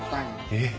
えっ？